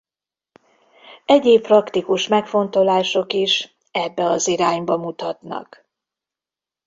Egyéb praktikus megfontolások is ebbe az irányba mutatnak.